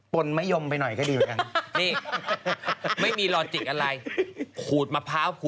ใช่อาจจะเป็นก